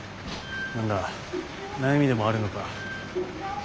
何だ悩みでもあるのか。